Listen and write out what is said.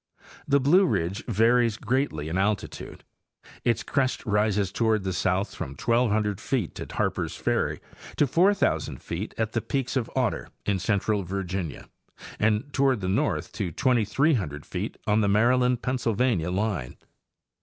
The Blue ridge varies greatly in altitude; its crest rises toward the south from 1,200 feet at Harpers Ferry to 4,000 feet at the Peakes of Otter, in central Virginia, and toward the north to 2,300 feet on the Maryland Pennsylvania line.